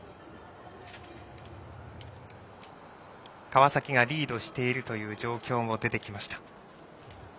川崎がリードしているという状況も出てきました。